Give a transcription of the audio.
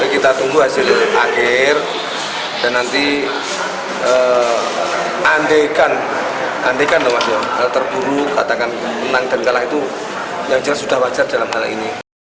kita tunggu hasil akhir dan nanti andekan terburu katakan menang dan kalah itu sudah wajar dalam hal ini